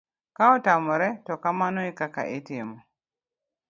ka otamore to kamano ekaka itimo